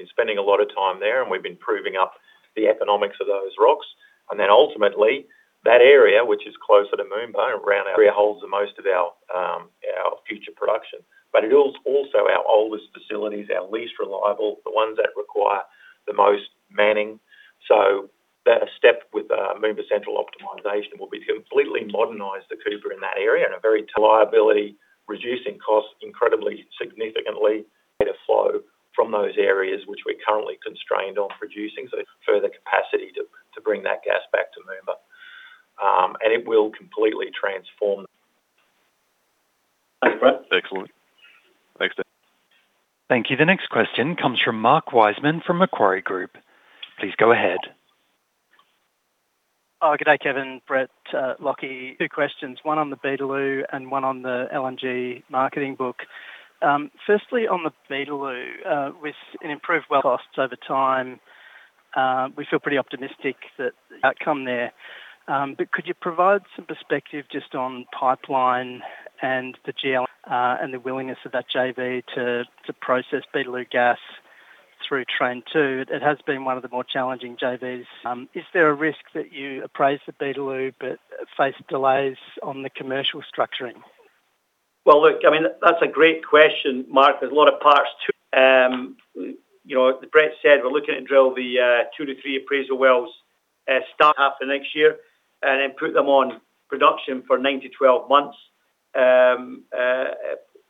spending a lot of time there, and we've been proving up the economics of those rocks, and then ultimately, that area, which is closer to Moomba, around our area, holds the most of our future production. But it is also our oldest facilities, our least reliable, the ones that require the most manning. So that a step with Moomba Central optimization will be to completely modernize the Cooper in that area and a very reliability, reducing costs incredibly, significantly, data flow from those areas which we're currently constrained on producing. So further capacity to bring that gas back to Moomba. And it will completely transform. Thanks, Brett. Excellent. Thanks. Thank you. The next question comes from Mark Wiseman from Macquarie Group. Please go ahead. Good day, Kevin, Brett, Lachlan. Two questions, one on the Beetaloo and one on the LNG marketing book. Firstly, on the Beetaloo, with an improved well costs over time, we feel pretty optimistic that outcome there. But could you provide some perspective just on pipeline and the GL, and the willingness of that JV to, to process Beetaloo gas through train two? It has been one of the more challenging JVs. Is there a risk that you appraise the Beetaloo but face delays on the commercial structuring? Well, look, I mean, that's a great question, Mark. There's a lot of parts to it. You know, as Brett said, we're looking to drill the 2-3 appraisal wells, start half of next year and then put them on production for 9-12 months.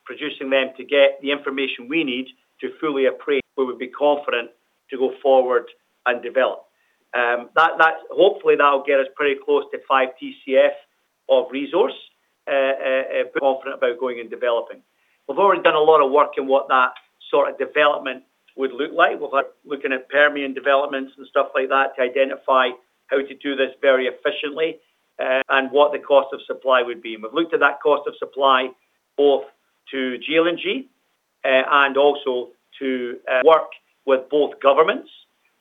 Producing them to get the information we need to fully appraise, we would be confident to go forward and develop. That hopefully will get us pretty close to 5 TCF of resource, confident about going and developing. We've already done a lot of work in what that sort of development would look like. We've had looking at Permian developments and stuff like that, to identify how to do this very efficiently, and what the cost of supply would be. We've looked at that cost of supply both to GLNG and also to work with both governments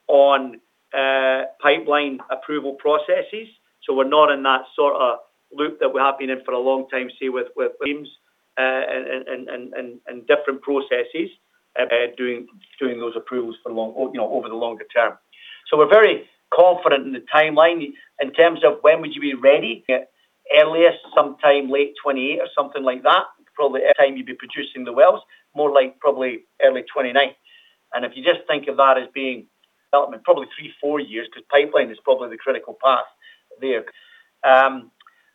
on pipeline approval processes. So we're not in that sorta loop that we have been in for a long time, say, with firms and different processes doing those approvals for long, or, you know, over the longer term. So we're very confident in the timeline in terms of when would you be ready? Earliest, sometime late 2028 or something like that. Probably, anytime you'd be producing the wells, more like probably early 2029. And if you just think of that as being development, probably three, four years, because pipeline is probably the critical path there. But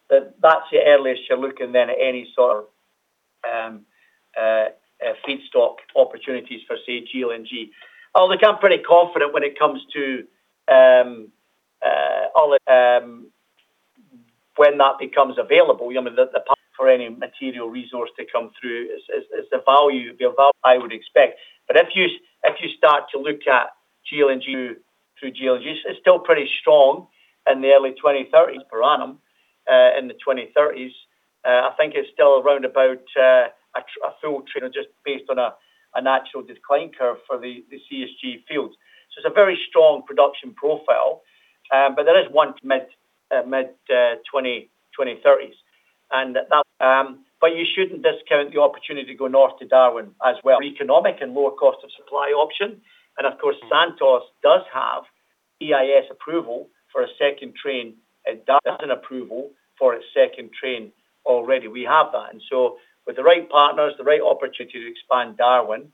that's the earliest you're looking then at any sort of feedstock opportunities for, say, GLNG. Oh, look, I'm pretty confident when it comes to when that becomes available. I mean, the part for any material resource to come through is the value I would expect. But if you start to look at GLNG through GLNG, it's still pretty strong in the early 2030s per annum in the 2030s. I think it's still around about a full train just based on a natural decline curve for the CSG fields. So it's a very strong production profile, but there is one mid-2030s. And that, but you shouldn't discount the opportunity to go north to Darwin as well. Economic and lower cost of supply option, and of course, Santos does have EIS approval for a second train at Darwin, approval for a second train already. We have that. And so with the right partners, the right opportunity to expand Darwin,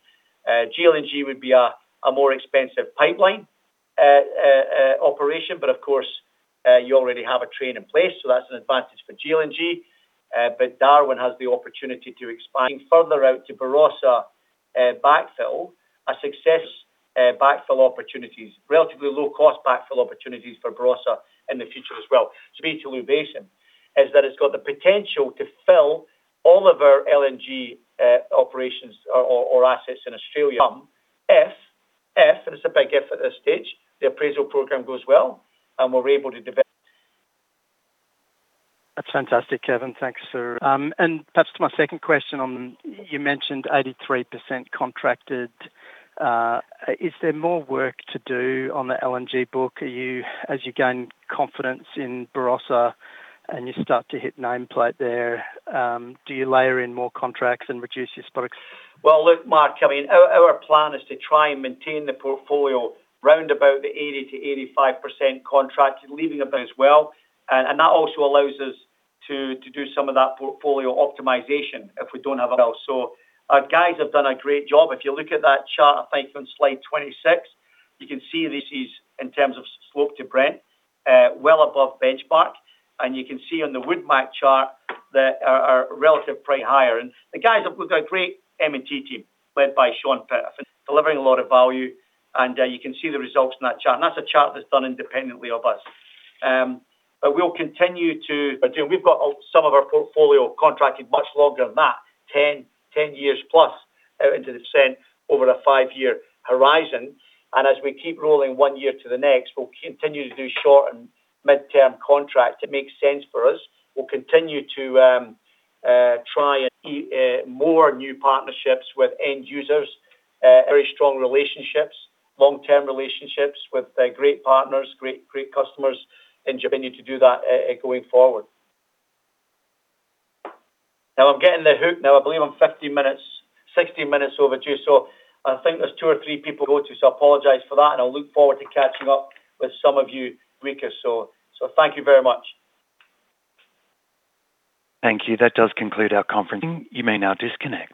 GLNG would be a more expensive pipeline operation, but of course, you already have a train in place, so that's an advantage for GLNG. But Darwin has the opportunity to expand further out to Barossa, backfill, a success, backfill opportunities, relatively low cost backfill opportunities for Barossa in the future as well. Beetaloo Basin is that it's got the potential to fill all of our LNG operations or assets in Australia. If, and it's a big if at this stage, the appraisal program goes well, and we're able to develop. That's fantastic, Kevin. Thanks for... And perhaps to my second question on, you mentioned 83% contracted. Is there more work to do on the LNG book? Are you, as you gain confidence in Barossa and you start to hit nameplate there, do you layer in more contracts and reduce your spots? Well, look, Mark, I mean, our, our plan is to try and maintain the portfolio around about the 80%-85% contract, leaving about as well. And, and that also allows us to, to do some of that portfolio optimization if we don't have it. So our guys have done a great great job. If you look at that chart, I think on slide 26, you can see this is in terms of slope to Brent, well above benchmark. And you can see on the WoodMac chart that our, our relative price higher. And the guys, have we got a great M&T team, led by Sean Pitt, for delivering a lot of value, and, you can see the results in that chart. And that's a chart that's done independently of us. But we'll continue to... But, you know, we've got all some of our portfolio contracted much longer than that, 10, 10 years+ out into the future over a five-year horizon. And as we keep rolling one year to the next, we'll continue to do short and midterm contracts. It makes sense for us. We'll continue to try and see more new partnerships with end users, very strong relationships, long-term relationships with great partners, great, great customers, and continue to do that going forward. Now, I'm getting the hook now. I believe I'm 15 minutes, 16 minutes overdue, so I think there's two or three people to go to, so I apologize for that, and I'll look forward to catching up with some of you in a week or so. So thank you very much. Thank you. That does conclude our conference. You may now disconnect.